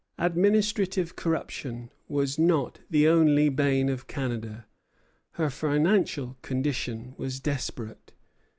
Administrative corruption was not the only bane of Canada. Her financial condition was desperate.